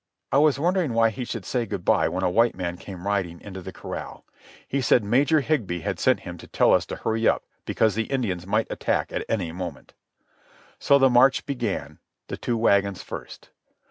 I was wondering why he should say good bye when a white man came riding into the corral. He said Major Higbee had sent him to tell us to hurry up, because the Indians might attack at any moment. So the march began, the two wagons first.